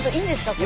これ。